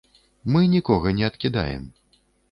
Мы нікога не адкідаем.